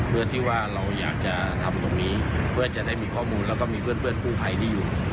เพื่อที่ว่าเราอยากจะทำตรงนี้เพื่อจะได้มีข้อมูลแล้วก็มีเพื่อนกู้ภัยที่อยู่